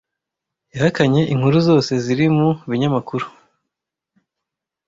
Yahakanye inkuru zose ziri mu binyamakuru.